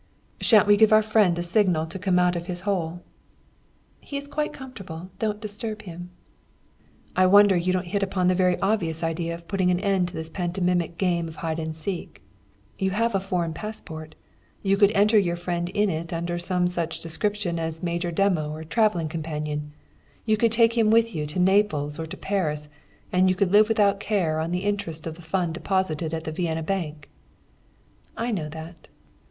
"Sha'n't we give our friend a signal to come out of his hole?" "He is quite comfortable don't disturb him." "I wonder you don't hit upon the very obvious idea of putting an end to this pantomimic game of hide and seek. You have a foreign passport. You could enter your friend in it under some such description as major domo or travelling companion. You could take him with you to Naples or to Paris, and you could live without care on the interest of the fund deposited at the Vienna bank." "I know that."